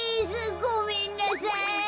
ごめんなさい。